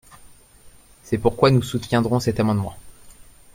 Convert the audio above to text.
C’est pourquoi nous soutiendrons cet amendement.